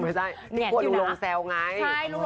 ครัวลุงลงแซวไง